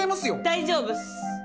大丈夫っす。